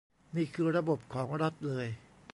นี่คือระบบของรัฐเลย